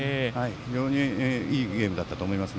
非常にいいゲームだと思います。